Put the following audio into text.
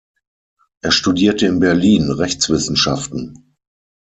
Er studierte in Berlin Rechtswissenschaften.